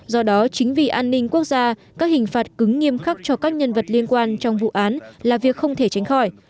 do đó chính vì an ninh quốc gia các hình phạt cứng nghiêm khắc cho các nhân vật liên quan trong vụ án là việc không thể tránh khỏi